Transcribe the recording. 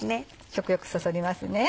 食欲そそりますね。